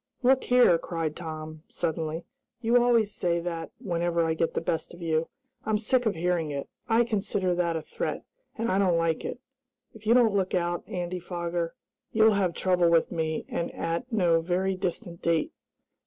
"Look here!" cried Tom, suddenly. "You always say that whenever I get the best of you. I'm sick of hearing it. I consider that a threat, and I don't like it. If you don't look out, Andy Foger, you'll have trouble with me, and at no very distant date!"